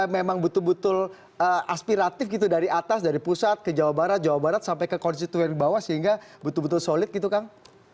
memang betul betul aspiratif gitu dari atas dari pusat ke jawa barat jawa barat sampai ke konstituen bawah sehingga betul betul solid gitu kang